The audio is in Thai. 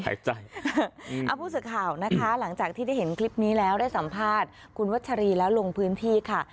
ผู้สื่อข่าวนะคะหลังจากที่ได้เห็นคลิปนี้แล้วได้สัมภาษณ์คุณวัชรีแล้วลงพื้นที่ค่ะ